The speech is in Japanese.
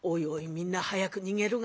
みんな早く逃げるがや」。